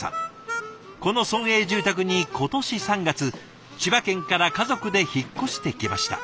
この村営住宅に今年３月千葉県から家族で引っ越してきました。